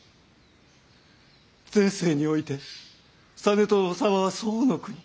前世において実朝様は宋の国